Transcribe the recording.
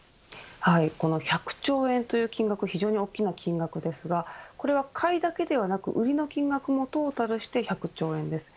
この１００兆円という金額は非常に大きな金額ですがこれは買いだけではなく売りの金額もトータルして１００兆円です。